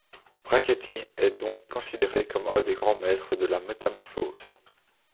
Brachetti est donc considéré comme un des grands maîtres de la métamorphose.